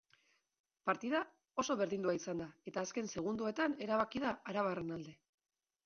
Partida oso berdindua izan da eta azken seguindoetan erabaki da arabarren alde.